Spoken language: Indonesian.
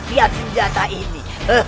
tia senjata ini